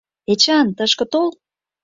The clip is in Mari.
Эчан, тышке тол!